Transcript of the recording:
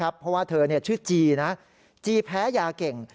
เพราะว่าเธอชื่อจีนะจีแพ้ยาเก่ง